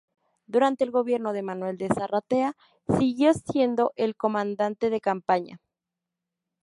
Durante el gobierno de Manuel de Sarratea siguió siendo el comandante de campaña.